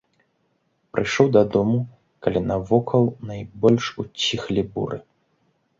Прыйшоў дадому, калі навокал найбольшыя ўціхлі буры.